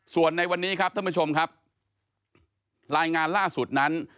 ส่วนในวันนี้ครับท่านผู้ชมครับรายงานล่าสุดนั้น